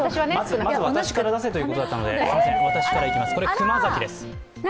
まずは私から出せということだったので、私からいきます、これ、熊崎です。